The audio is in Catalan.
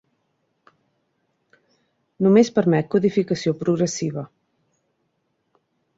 Només permet codificació progressiva.